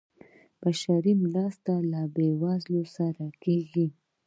بشري مرستې له بیوزلو سره کیږي